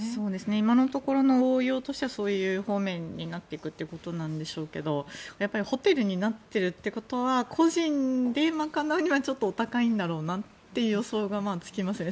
今のところの応用としてはそういう方面になっていくということでしょうけどホテルになってるってことは個人で賄うにはちょっとお高いんだろうなという予想がつきますよね。